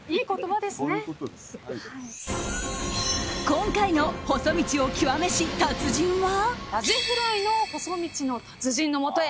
今回の細道を極めし達人は。